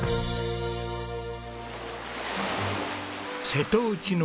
瀬戸内の海。